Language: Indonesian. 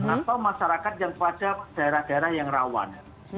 atau masyarakat yang pada daerah daerah yang rawan